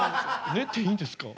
ねていいんですか？